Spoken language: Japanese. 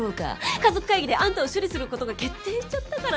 家族会議であんたを処理する事が決定しちゃったから。